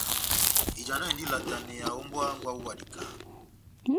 Ijanahindini ilataneya ó mbówa hángwɛ wawu wa dikaha.